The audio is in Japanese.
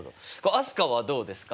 飛鳥はどうですか？